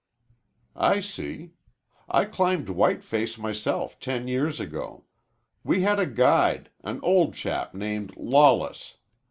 "I see. I climbed Whiteface myself ten years ago. We had a guide an old chap named Lawless.